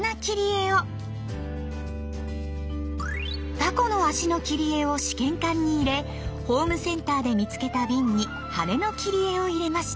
タコの足の切り絵を試験管に入れホームセンターで見つけた瓶に羽根の切り絵を入れました。